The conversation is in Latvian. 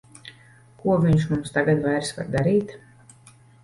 Ko viņš mums tagad vairs var darīt!